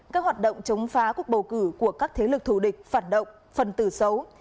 các hoạt động chống phá cuộc bầu cử của các thế lực thù địch phạt động phần tử xấu